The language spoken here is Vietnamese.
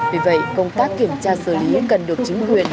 vì vậy công tác kiểm tra xử lý cần được chính quyền